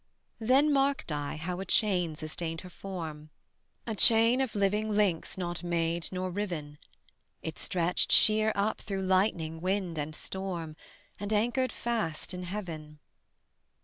Then marked I how a chain sustained her form, A chain of living links not made nor riven: It stretched sheer up through lightning, wind, and storm, And anchored fast in heaven.